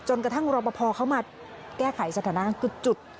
จนกระทั่งรบพอเขามาแก้ไขสถานการณ์จุด